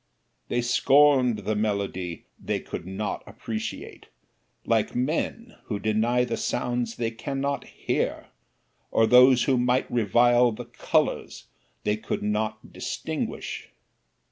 They scorned the melody they could not appreciate, like men who deny the sounds they can not hear; or those who might revile the colors they could not distinguish.